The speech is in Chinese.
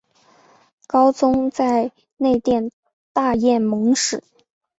高宗在内殿大宴蒙使。